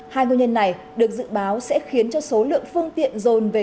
hai nguyên nhân này được dự báo sẽ khiến cho số lượng phương tiện rồn về các nguyên nhân